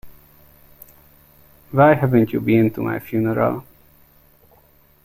Why haven't you been to my funeral?